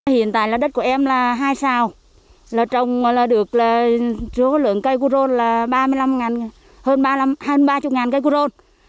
hiện tại là đất của em là hai sao trồng được chứa lượng cây cu rôn là hơn ba mươi cây cu rôn